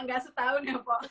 gak setahun ya pak